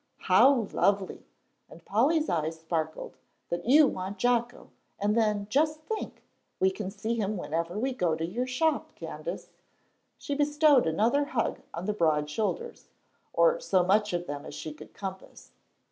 "How lovely!" and Polly's eyes sparkled, "that you want Jocko, and then, just think, we can see him whenever we go to your shop, Candace." She bestowed another hug on the broad shoulders, or so much of them as she could compass.